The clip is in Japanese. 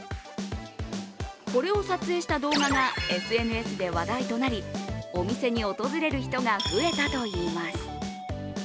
これを撮影した動画がＳＮＳで話題となりお店に訪れる人が増えたといいます。